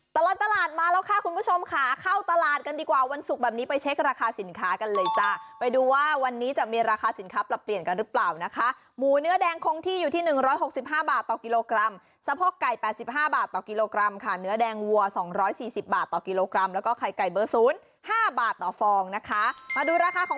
ตลอดตลาดมาแล้วค่ะคุณผู้ชมค่ะเข้าตลาดกันดีกว่าวันศุกร์แบบนี้ไปเช็คราคาสินค้ากันเลยจ้ะไปดูว่าวันนี้จะมีราคาสินค้าปรับเปลี่ยนกันหรือเปล่านะคะหมูเนื้อแดงคงที่อยู่ที่๑๖๕บาทต่อกิโลกรัมสะโพกไก่๘๕บาทต่อกิโลกรัมค่ะเนื้อแดงวัว๒๔๐บาทต่อกิโลกรัมแล้วก็ไข่ไก่เบอร์๐๕บาทต่อฟองนะคะมาดูราคาของ